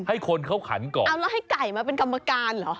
ให้คนเขาขันก่อนเอาแล้วให้ไก่มาเป็นกรรมการเหรอ